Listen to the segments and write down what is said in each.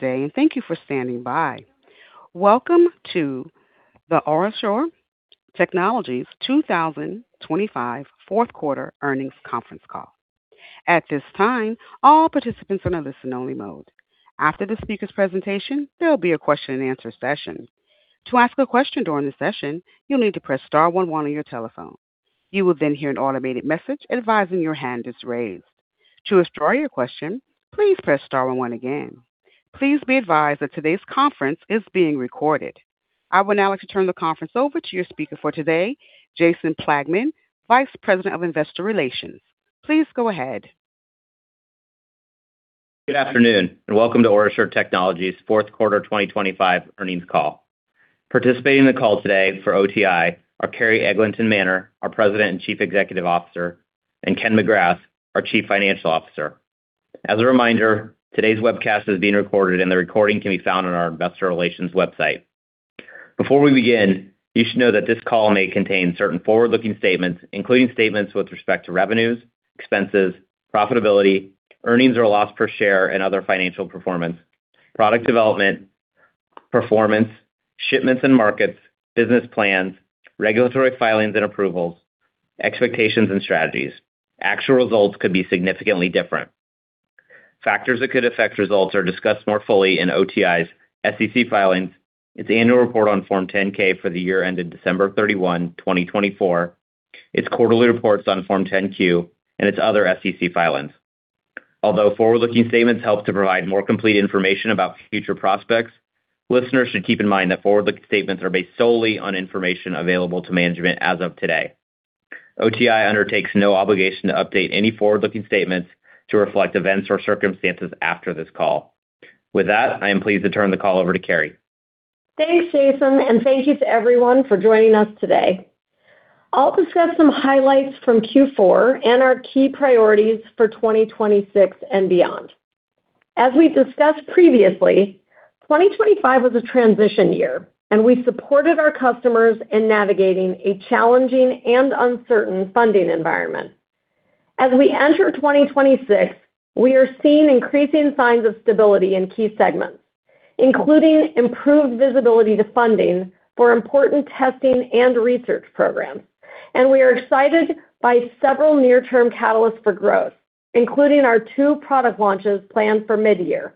Today, thank you for standing by. Welcome to the OraSure Technologies 2025 Fourth Quarter Earnings Conference Call. At this time, all participants are in a listen-only mode. After the speaker's presentation, there will be a question and answer session. To ask a question during the session, you'll need to press star one one on your telephone. You will hear an automated message advising your hand is raised. To withdraw your question, please press star one one again. Please be advised that today's conference is being recorded. I would now like to turn the conference over to your speaker for today, Jason Plagman, Vice President of Investor Relations. Please go ahead. Good afternoon. Welcome to OraSure Technologies' fourth quarter 2025 earnings call. Participating in the call today for OTI are Carrie Eglinton Manner, our President and Chief Executive Officer, and Ken McGrath, our Chief Financial Officer. As a reminder, today's webcast is being recorded, and the recording can be found on our investor relations website. Before we begin, you should know that this call may contain certain forward-looking statements, including statements with respect to revenues, expenses, profitability, earnings or loss per share and other financial performance, product development, performance, shipments and markets, business plans, regulatory filings and approvals, expectations and strategies. Actual results could be significantly different. Factors that could affect results are discussed more fully in OTI's SEC filings, its annual report on Form 10-K for the year ended December 31, 2024, its quarterly reports on Form 10-Q, and its other SEC filings. Although forward-looking statements help to provide more complete information about future prospects, listeners should keep in mind that forward-looking statements are based solely on information available to management as of today. OTI undertakes no obligation to update any forward-looking statements to reflect events or circumstances after this call. With that, I am pleased to turn the call over to Carrie. Thanks, Jason. Thank you to everyone for joining us today. I'll discuss some highlights from Q4 and our key priorities for 2026 and beyond. As we discussed previously, 2025 was a transition year, and we supported our customers in navigating a challenging and uncertain funding environment. As we enter 2026, we are seeing increasing signs of stability in key segments, including improved visibility to funding for important testing and research programs. We are excited by several near-term catalysts for growth, including our two product launches planned for midyear.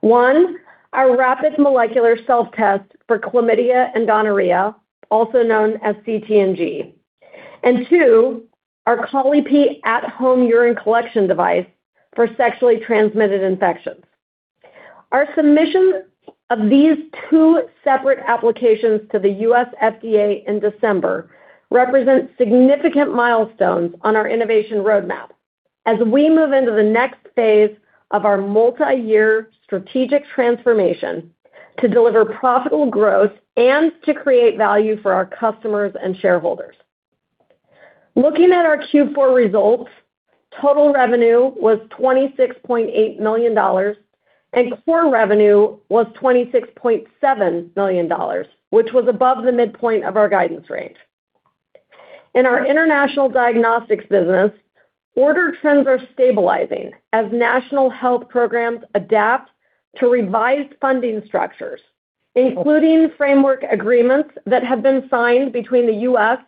One, our rapid molecular self-test for Chlamydia and Gonorrhea, also known as CT/NG, and two, our Colli-Pee at-home urine collection device for sexually transmitted infections. Our submission of these two separate applications to the U.S. FDA in December represents significant milestones on our innovation roadmap as we move into the next phase of our multiyear strategic transformation to deliver profitable growth and to create value for our customers and shareholders. Looking at our Q4 results, total revenue was $26.8 million, and core revenue was $26.7 million, which was above the midpoint of our guidance range. In our international diagnostics business, order trends are stabilizing as national health programs adapt to revised funding structures, including framework agreements that have been signed between the U.S.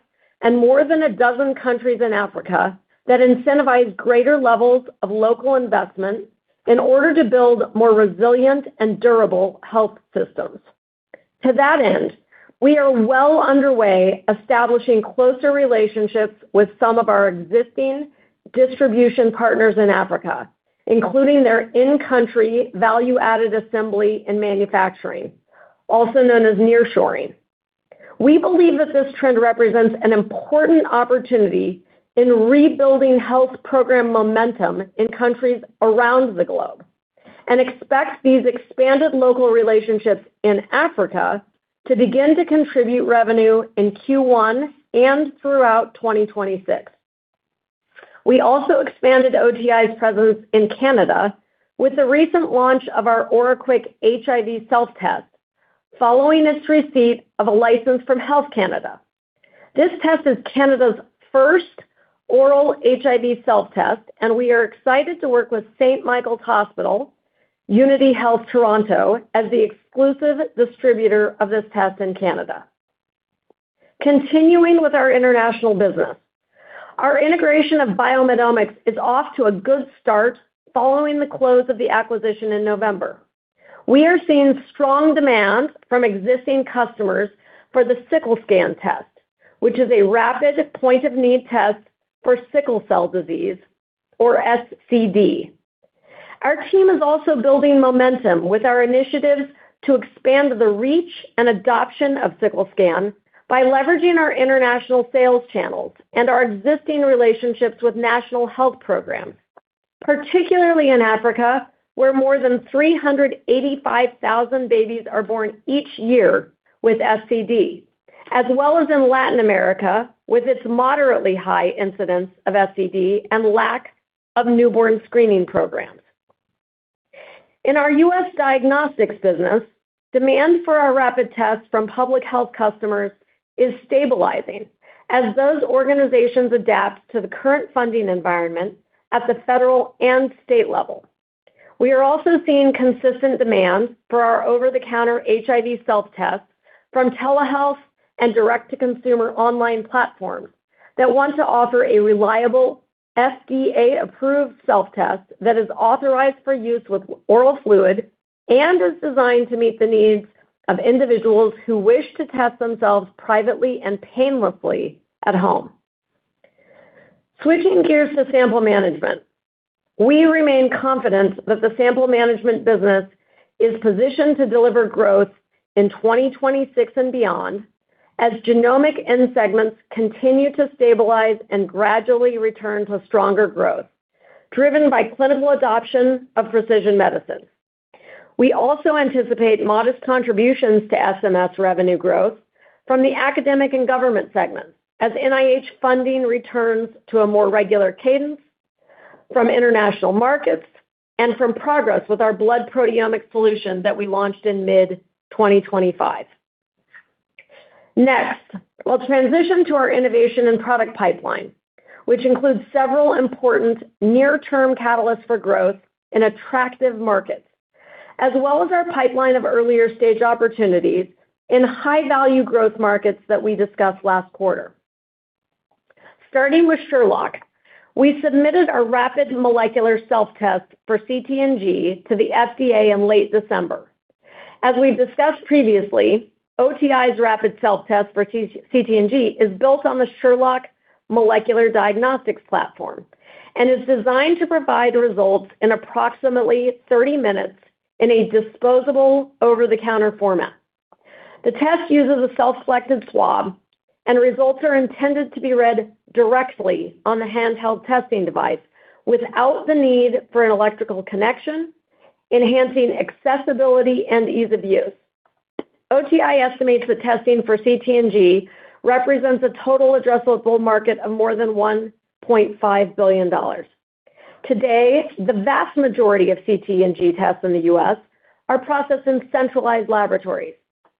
and more than 12 countries in Africa that incentivize greater levels of local investment in order to build more resilient and durable health systems. To that end, we are well underway establishing closer relationships with some of our existing distribution partners in Africa, including their in-country value-added assembly and manufacturing, also known as nearshoring. We believe that this trend represents an important opportunity in rebuilding health program momentum in countries around the globe and expect these expanded local relationships in Africa to begin to contribute revenue in Q1 and throughout 2026. We also expanded OTI's presence in Canada with the recent launch of our OraQuick HIV Self-Test, following its receipt of a license from Health Canada. This test is Canada's first oral HIV self-test, and we are excited to work with St. Michael's Hospital, Unity Health Toronto, as the exclusive distributor of this test in Canada. Continuing with our international business, our integration of BioMedomics is off to a good start following the close of the acquisition in November. We are seeing strong demand from existing customers for the Sickle SCAN test, which is a rapid point-of-need test for Sickle Cell Disease, or SCD. Our team is also building momentum with our initiatives to expand the reach and adoption of Sickle SCAN by leveraging our international sales channels and our existing relationships with national health programs, particularly in Africa, where more than 385,000 babies are born each year with SCD, as well as in Latin America, with its moderately high incidence of SCD and lack of newborn screening programs. Demand for our rapid tests from public health customers is stabilizing as those organizations adapt to the current funding environment at the federal and state level. We are also seeing consistent demand for our over-the-counter HIV self-test from telehealth and direct-to-consumer online platforms that want to offer a reliable, FDA-approved self-test that is authorized for use with oral fluid and is designed to meet the needs of individuals who wish to test themselves privately and painlessly at home. Switching gears to sample management. We remain confident that the sample management business is positioned to deliver growth in 2026 and beyond, as genomic end segments continue to stabilize and gradually return to stronger growth, driven by clinical adoption of precision medicine. We also anticipate modest contributions to SMS revenue growth from the academic and government segments, as NIH funding returns to a more regular cadence from international markets and from progress with our blood proteomic solution that we launched in mid-2025. I'll transition to our innovation and product pipeline, which includes several important near-term catalysts for growth in attractive markets, as well as our pipeline of earlier-stage opportunities in high-value growth markets that we discussed last quarter. Starting with Sherlock, we submitted our rapid molecular self-test for CT/NG to the FDA in late December. As we've discussed previously, OTI's rapid self-test for CT/NG is built on the Sherlock molecular diagnostics platform and is designed to provide results in approximately 30 minutes in a disposable, over-the-counter format. The test uses a self-selected swab, and results are intended to be read directly on the handheld testing device without the need for an electrical connection, enhancing accessibility and ease of use. OTI estimates that testing for CT/NG represents a total addressable market of more than $1.5 billion. Today, the vast majority of CT/NG tests in the U.S. are processed in centralized laboratories,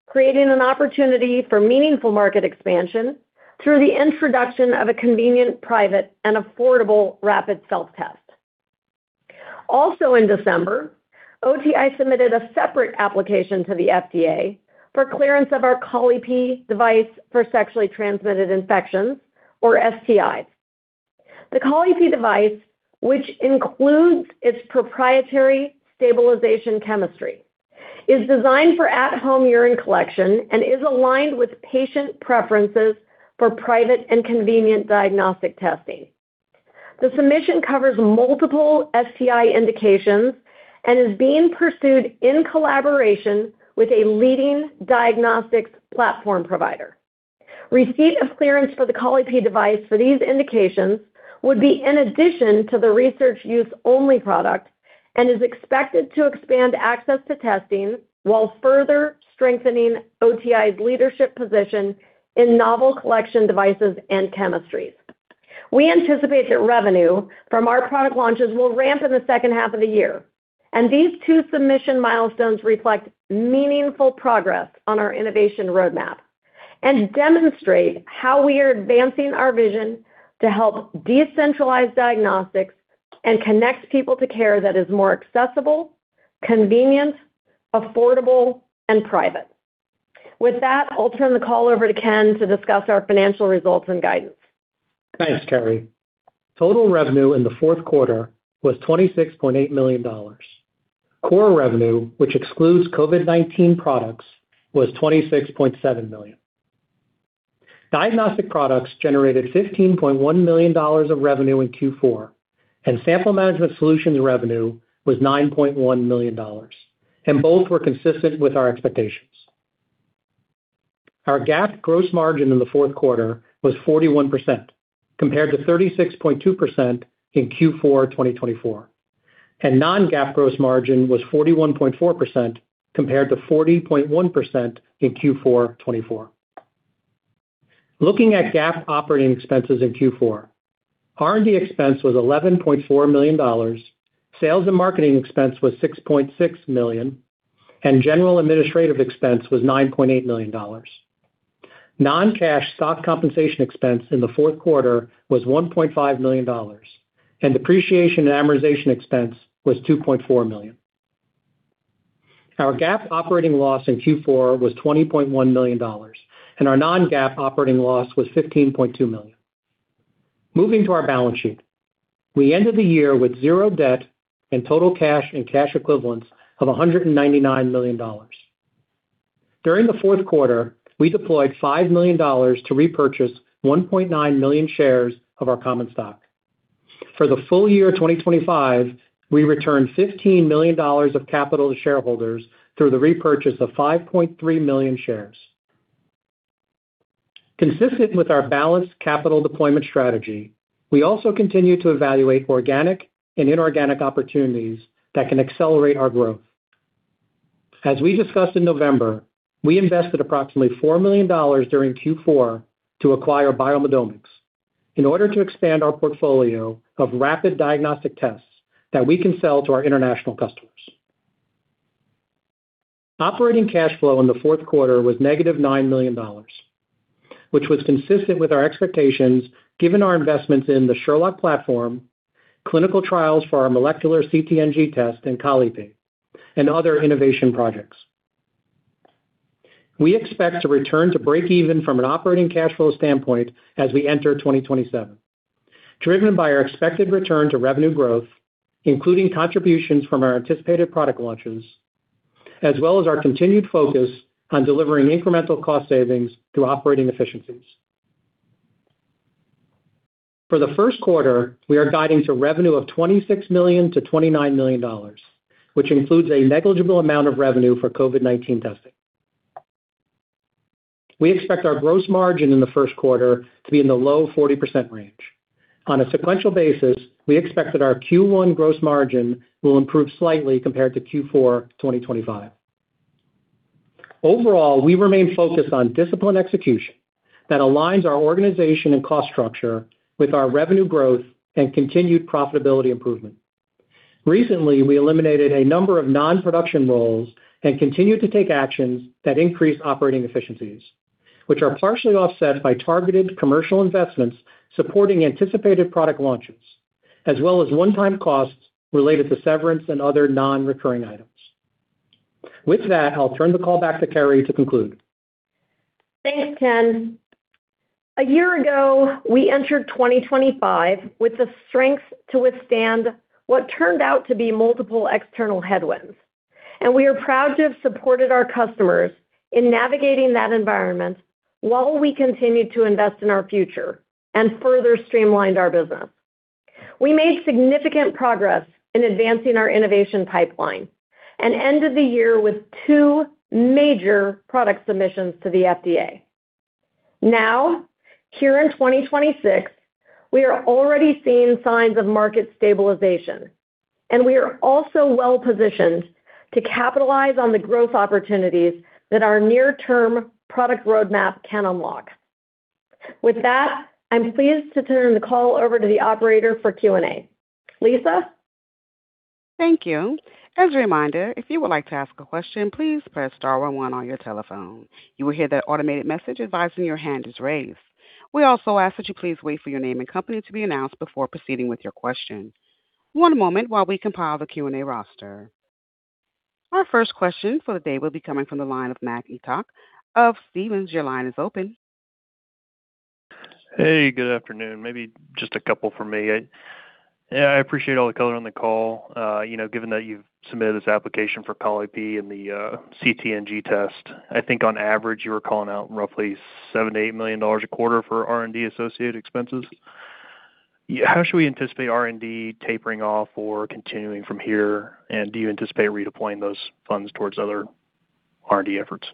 creating an opportunity for meaningful market expansion through the introduction of a convenient, private, and affordable rapid self-test. Also in December, OTI submitted a separate application to the FDA for clearance of our Colli-Pee device for sexually transmitted infections, or STIs. The Colli-Pee device, which includes its proprietary stabilization chemistry, is designed for at-home urine collection and is aligned with patient preferences for private and convenient diagnostic testing. The submission covers multiple STI indications and is being pursued in collaboration with a leading diagnostics platform provider. Receipt of clearance for the Colli-Pee device for these indications would be in addition to the research use only product and is expected to expand access to testing while further strengthening OTI's leadership position in novel collection devices and chemistries. We anticipate that revenue from our product launches will ramp in the second half of the year, and these two submission milestones reflect meaningful progress on our innovation roadmap and demonstrate how we are advancing our vision to help decentralize diagnostics and connect people to care that is more accessible, convenient, affordable, and private. With that, I'll turn the call over to Ken to discuss our financial results and guidance. Thanks, Carrie. Total revenue in the fourth quarter was $26.8 million. Core revenue, which excludes COVID-19 products, was $26.7 million. Diagnostic products generated $15.1 million of revenue in Q4, and sample management solutions revenue was $9.1 million. Both were consistent with our expectations. Our GAAP gross margin in the fourth quarter was 41%, compared to 36.2% in Q4 2024. Non-GAAP gross margin was 41.4%, compared to 40.1% in Q4 2024. Looking at GAAP operating expenses in Q4, R&D expense was $11.4 million, sales and marketing expense was $6.6 million. General administrative expense was $9.8 million. Non-cash stock compensation expense in the fourth quarter was $1.5 million. Depreciation and amortization expense was $2.4 million. Our GAAP operating loss in Q4 was $20.1 million, and our non-GAAP operating loss was $15.2 million. Moving to our balance sheet. We ended the year with zero debt and total cash and cash equivalents of $199 million. During the fourth quarter, we deployed $5 million to repurchase 1.9 million shares of our common stock. For the full year 2025, we returned $15 million of capital to shareholders through the repurchase of 5.3 million shares. Consistent with our balanced capital deployment strategy, we also continue to evaluate organic and inorganic opportunities that can accelerate our growth. As we discussed in November, we invested approximately $4 million during Q4 to acquire BioMedomics in order to expand our portfolio of rapid diagnostic tests that we can sell to our international customers. Operating cash flow in the fourth quarter was negative $9 million, which was consistent with our expectations, given our investments in the Sherlock platform, clinical trials for our molecular CT/NG test and Colli-Pee and other innovation projects. We expect to return to breakeven from an operating cash flow standpoint as we enter 2027, driven by our expected return to revenue growth, including contributions from our anticipated product launches, as well as our continued focus on delivering incremental cost savings through operating efficiencies. For the first quarter, we are guiding to revenue of $26 million-$29 million, which includes a negligible amount of revenue for COVID-19 testing. We expect our gross margin in the first quarter to be in the low 40% range. On a sequential basis, we expect that our Q1 gross margin will improve slightly compared to Q4 2025. Overall, we remain focused on disciplined execution that aligns our organization and cost structure with our revenue growth and continued profitability improvement. Recently, we eliminated a number of non-production roles and continued to take actions that increase operating efficiencies, which are partially offset by targeted commercial investments supporting anticipated product launches, as well as one-time costs related to severance and other non-recurring items. With that, I'll turn the call back to Carrie to conclude. Thanks, Ken. A year ago, we entered 2025 with the strength to withstand what turned out to be multiple external headwinds, and we are proud to have supported our customers in navigating that environment while we continued to invest in our future and further streamlined our business. We made significant progress in advancing our innovation pipeline and ended the year with two major product submissions to the FDA. Now, here in 2026, we are already seeing signs of market stabilization, and we are also well positioned to capitalize on the growth opportunities that our near-term product roadmap can unlock. With that, I'm pleased to turn the call over to the operator for Q&A. Lisa? Thank you. As a reminder, if you would like to ask a question, please press star one one on your telephone. You will hear the automated message advising your hand is raised. We also ask that you please wait for your name and company to be announced before proceeding with your question. One moment while we compile the Q&A roster. Our first question for the day will be coming from the line of Matt Etoch of Stephens. Your line is open. Hey, good afternoon. Maybe just a couple for me. I appreciate all the color on the call. you know, given that you've submitted this application for Colli-Pee and the CT/NG test, I think on average, you were calling out roughly $7 million-$8 million a quarter for R&D associated expenses. How should we anticipate R&D tapering off or continuing from here? Do you anticipate redeploying those funds towards other R&D efforts?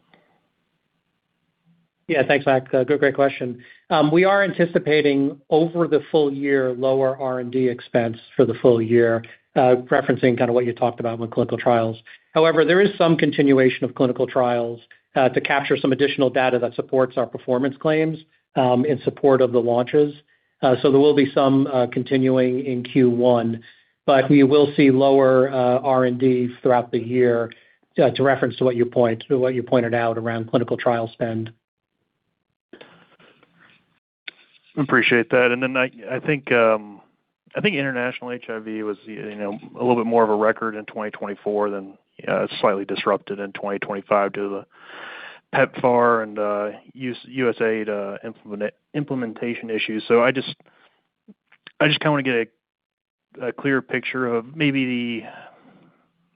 Yeah, thanks, Matt. Great question. We are anticipating over the full year, lower R&D expense for the full year, referencing kind of what you talked about with clinical trials. There is some continuation of clinical trials to capture some additional data that supports our performance claims in support of the launches. There will be some continuing in Q1, but we will see lower R&D throughout the year to reference to what you pointed out around clinical trial spend. Appreciate that. I think international HIV was, you know, a little bit more of a record in 2024 than slightly disrupted in 2025 due to the PEPFAR and USAID implementation issues. I just kind of want to get a clear picture of maybe the,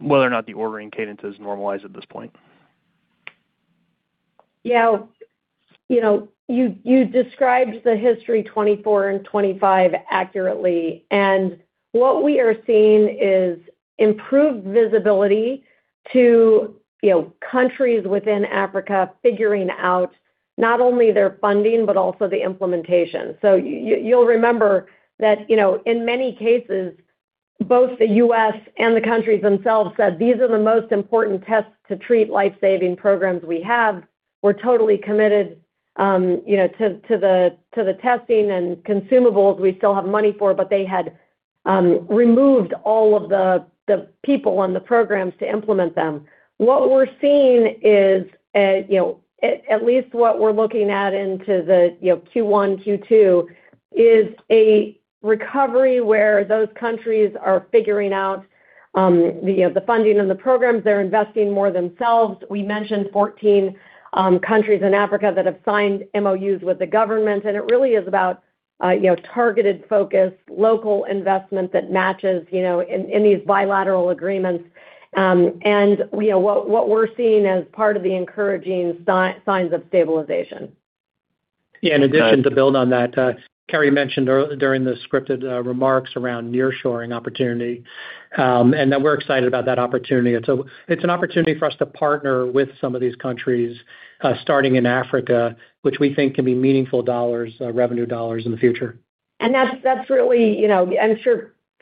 whether or not the ordering cadence has normalized at this point. Yeah, you know, you described the history 2024 and 2025 accurately. What we are seeing is improved visibility to, you know, countries within Africa, figuring out not only their funding, but also the implementation. You'll remember that, you know, in many cases, both the U.S. and the countries themselves said, "These are the most important tests to treat life-saving programs we have. We're totally committed, you know, to the testing and consumables we still have money for," they had removed all of the people on the programs to implement them. What we're seeing is, you know, at least what we're looking at into the, you know, Q1, Q2, is a recovery where those countries are figuring out, you know, the funding and the programs. They're investing more themselves. We mentioned 14 countries in Africa that have signed MOUs with the government. It really is about, you know, targeted focus, local investment that matches, you know, in these bilateral agreements. We know what we're seeing as part of the encouraging signs of stabilization. Yeah, in addition, to build on that, Carrie mentioned during the scripted remarks around nearshoring opportunity, and that we're excited about that opportunity. It's an opportunity for us to partner with some of these countries, starting in Africa, which we think can be meaningful dollars, revenue dollars in the future. That's, that's really, you know,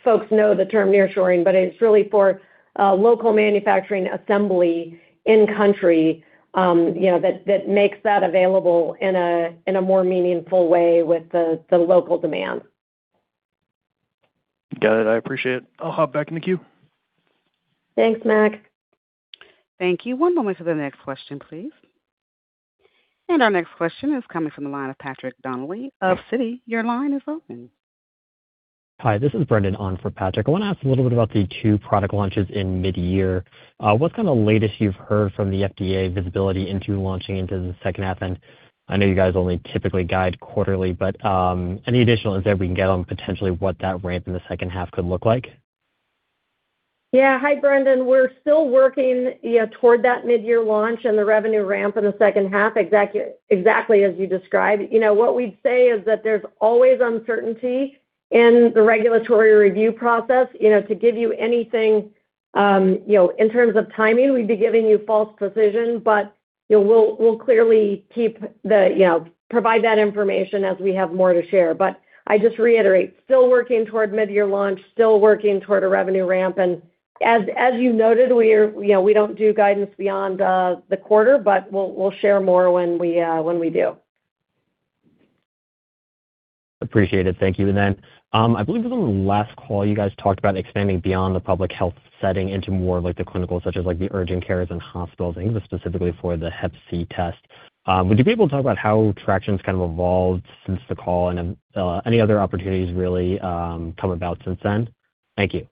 folks know the term nearshoring, but it's really for local manufacturing assembly in country, you know, that makes that available in a more meaningful way with the local demand. Got it. I appreciate it. I'll hop back in the queue. Thanks, Matt. Thank you. One moment for the next question, please. Our next question is coming from the line of Patrick Donnelly of Citi. Your line is open. Hi, this is Brendan on for Patrick. I want to ask a little bit about the two product launches in mid-year. What's kind of the latest you've heard from the FDA visibility into launching into the second half? I know you guys only typically guide quarterly, but any additional insight we can get on potentially what that ramp in the second half could look like? Yeah. Hi, Brendan. We're still working, you know, toward that mid-year launch and the revenue ramp in the second half, exactly as you described. You know, what we'd say is that there's always uncertainty in the regulatory review process. You know, to give you anything, you know, in terms of timing, we'd be giving you false precision, but, you know, we'll clearly provide that information as we have more to share. I just reiterate, still working toward mid-year launch, still working toward a revenue ramp, and as you noted, we're, you know, we don't do guidance beyond the quarter, but we'll share more when we do. Appreciate it. Thank you, then. I believe on the last call, you guys talked about expanding beyond the public health setting into more of, like, the clinical, such as, like, the urgent cares and hospitals, I think specifically for the hep C test. Would you be able to talk about how traction's kind of evolved since the call and, any other opportunities really, come about since then? Thank you.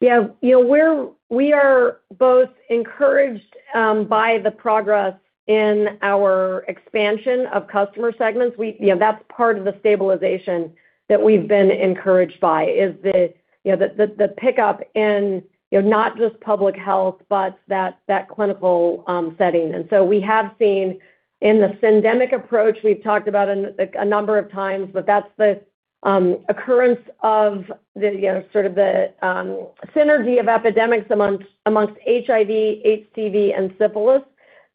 Yeah. You know, we are both encouraged by the progress in our expansion of customer segments. You know, that's part of the stabilization that we've been encouraged by, is the, you know, the pickup in, you know, not just public health, but that clinical setting. We have seen in the syndemic approach, we've talked about it a number of times, but that's the occurrence of the, you know, sort of the synergy of epidemics amongst HIV, HCV, and syphilis,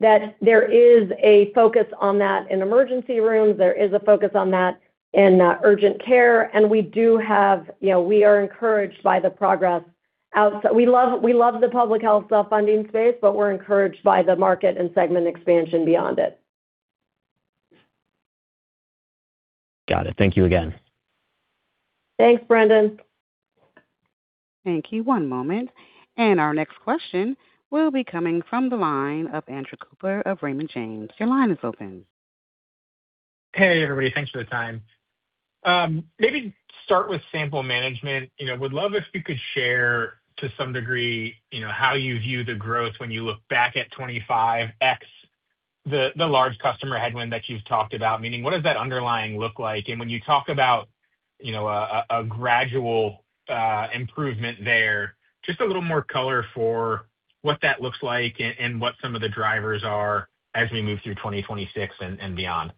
that there is a focus on that in emergency rooms. There is a focus on that in urgent care. You know, we are encouraged by the progress. We love the public health self-funding space, but we're encouraged by the market and segment expansion beyond it. Got it. Thank you again. Thanks, Brendan. Thank you. One moment. Our next question will be coming from the line of Andrew Cooper of Raymond James. Your line is open. Hey, everybody. Thanks for the time. Maybe start with sample management. You know, would love if you could share, to some degree, you know, how you view the growth when you look back at 25x, the large customer headwind that you've talked about, meaning what does that underlying look like? When you talk about, you know, a gradual improvement there, just a little more color for what that looks like and what some of the drivers are as we move through 2026 and beyond.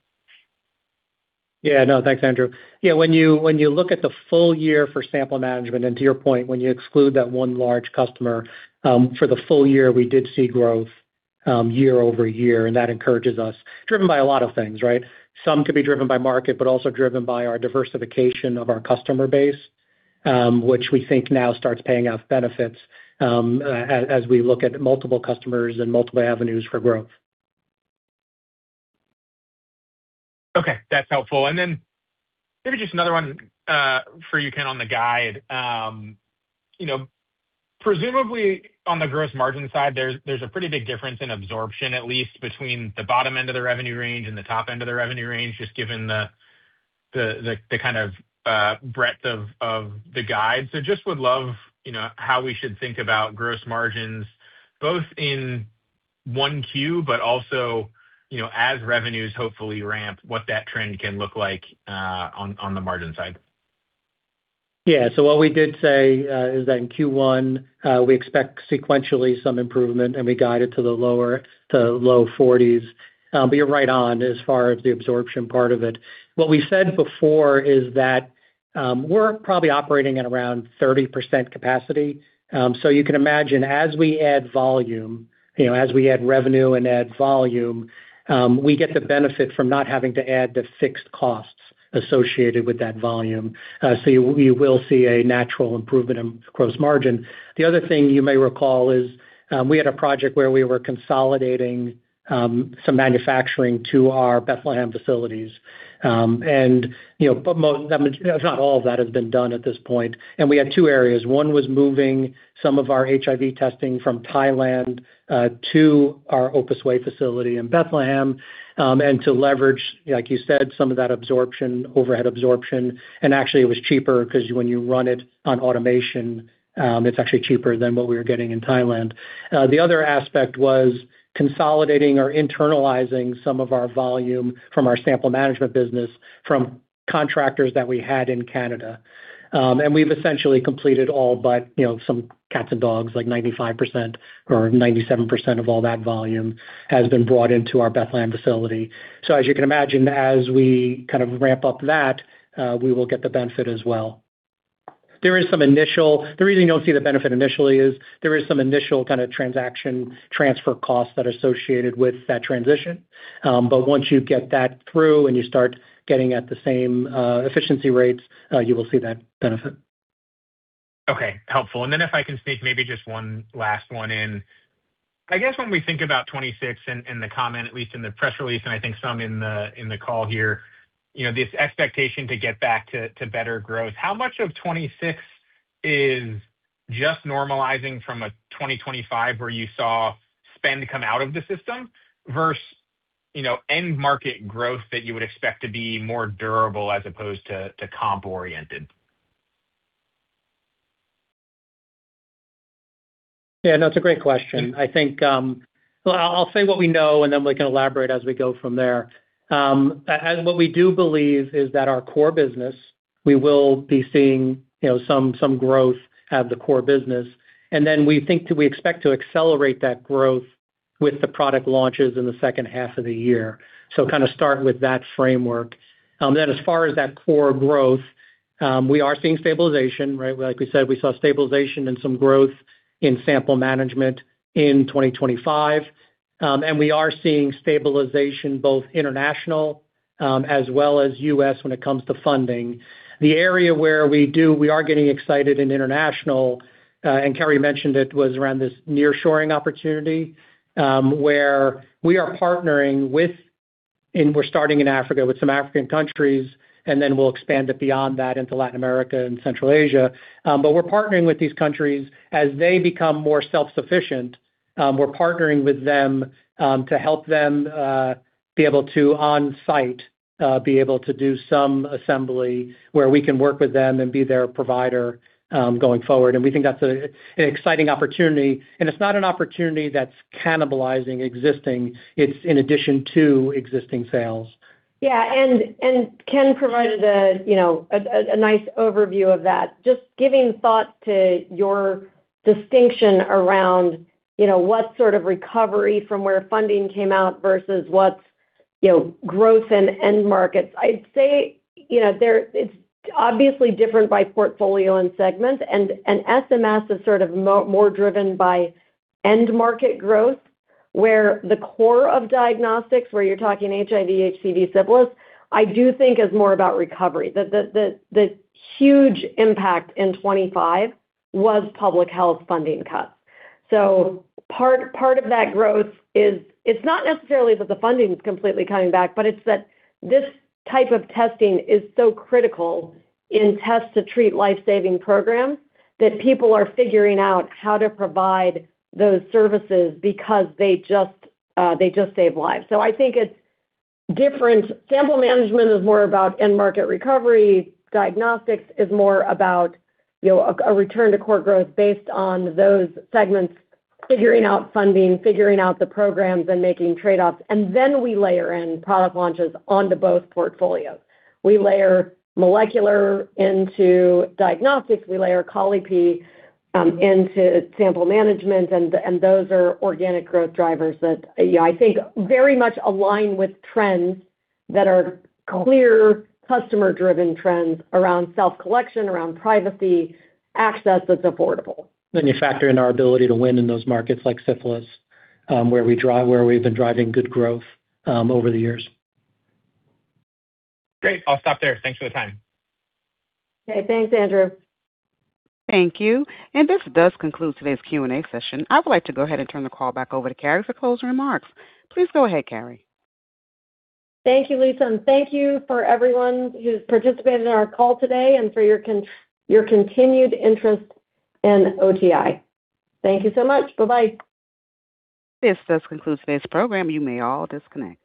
Yeah. No, thanks, Andrew. Yeah, when you, when you look at the full year for sample management, and to your point, when you exclude that one large customer, for the full year, we did see growth, year-over-year, and that encourages us, driven by a lot of things, right? Some could be driven by market, but also driven by our diversification of our customer base, which we think now starts paying off benefits, as we look at multiple customers and multiple avenues for growth. Okay, that's helpful. Then maybe just another one for you, Ken, on the guide. You know, presumably on the gross margin side, there's a pretty big difference in absorption, at least between the bottom end of the revenue range and the top end of the revenue range, just given the kind of breadth of the guide. Just would love, you know, how we should think about gross margins, both in 1Q, but also, you know, as revenues hopefully ramp, what that trend can look like on the margin side. Yeah. What we did say is that in Q1, we expect sequentially some improvement, and we guide it to the low forties. You're right on as far as the absorption part of it. What we said before is that we're probably operating at around 30% capacity. You can imagine, as we add volume, you know, as we add revenue and add volume, we get the benefit from not having to add the fixed costs associated with that volume. You will see a natural improvement in gross margin. The other thing you may recall is we had a project where we were consolidating some manufacturing to our Bethlehem facilities. I mean, not all of that has been done at this point, and we had two areas. One was moving some of our HIV testing from Thailand to our Opus Way facility in Bethlehem, and to leverage, like you said, some of that absorption, overhead absorption, and actually it was cheaper because when you run it on automation, it's actually cheaper than what we were getting in Thailand. The other aspect was consolidating or internalizing some of our volume from our sample management business from contractors that we had in Canada. We've essentially completed all but, you know, some cats and dogs, like 95% or 97% of all that volume has been brought into our Bethlehem facility. As you can imagine, as we kind of ramp up that, we will get the benefit as well. The reason you don't see the benefit initially is there is some initial kind of transaction transfer costs that are associated with that transition. Once you get that through and you start getting at the same efficiency rates, you will see that benefit. Okay, helpful. If I can sneak maybe just one last one in. I guess when we think about 2026 and the comment, at least in the press release, and I think some in the, in the call here, you know, this expectation to get back to better growth. How much of 2026 is just normalizing from a 2025, where you saw spend come out of the system versus, you know, end market growth that you would expect to be more durable as opposed to comp-oriented? Yeah, no, it's a great question. I think, well, I'll say what we know, then we can elaborate as we go from there. What we do believe is that our core business, we will be seeing, you know, some growth at the core business. Then we expect to accelerate that growth with the product launches in the second half of the year. Kind of start with that framework. As far as that core growth, we are seeing stabilization, right? Like we said, we saw stabilization and some growth in sample management in 2025. We are seeing stabilization, both international, as well as U.S., when it comes to funding. The area where we are getting excited in international, and Carrie mentioned it, was around this nearshoring opportunity, where we are partnering with, and we're starting in Africa with some African countries, and then we'll expand it beyond that into Latin America and Central Asia. We're partnering with these countries. As they become more self-sufficient, we're partnering with them to help them be able to on-site, be able to do some assembly where we can work with them and be their provider going forward. We think that's an exciting opportunity, and it's not an opportunity that's cannibalizing existing, it's in addition to existing sales. Yeah, Ken provided a, you know, a nice overview of that. Just giving thought to your distinction around, you know, what sort of recovery from where funding came out versus what's, you know, growth in end markets. I'd say, you know, it's obviously different by portfolio and segment. SMS is sort of more driven by end market growth, where the core of diagnostics, where you're talking HIV, HCV, syphilis, I do think is more about recovery. The huge impact in 2025 was public health funding cuts. Part of that growth is it's not necessarily that the funding is completely coming back, but it's that this type of testing is so critical in test to treat life-saving programs, that people are figuring out how to provide those services because they just save lives. I think it's different. Sample management is more about end-market recovery. Diagnostics is more about, you know, a return to core growth based on those segments, figuring out funding, figuring out the programs and making trade-offs. We layer in product launches onto both portfolios. We layer molecular into diagnostics. We layer Colli-Pee into sample management, and those are organic growth drivers that, yeah, I think very much align with trends that are clear customer-driven trends around self-collection, around privacy, access that's affordable. You factor in our ability to win in those markets, like syphilis, where we've been driving good growth, over the years. Great. I'll stop there. Thanks for the time. Okay. Thanks, Andrew. Thank you. This does conclude today's Q&A session. I would like to go ahead and turn the call back over to Carrie for closing remarks. Please go ahead, Carrie. Thank you, Lisa, and thank you for everyone who's participated in our call today and for your continued interest in OTI. Thank you so much. Bye-bye. This does conclude today's program. You may all disconnect.